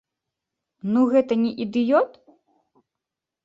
Ну гэта не ідыёт?